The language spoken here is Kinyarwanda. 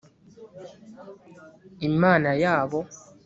imana yabo